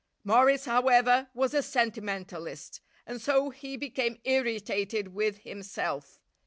Morris, however, was a sentimentalist, and so he became irritated with himself.